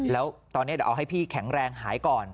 แล้วตอนนี้เดี๋ยวเอาให้พี่แข็งแรงหายก่อน